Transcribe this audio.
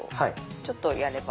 ちょっとやれば。